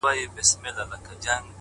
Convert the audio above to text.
ځکه چي ماته يې زړگی ويلی،